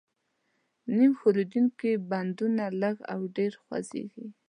نیم ښورېدونکي بندونه لږ او ډېر خوځېږي.